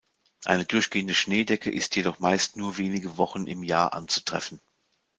Eine durchgehende Schneedecke ist jedoch meist nur wenige Wochen im Jahr anzutreffen.